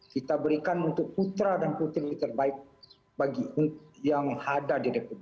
kita berikan untuk putra dan putri terbaik bagi yang ada di republik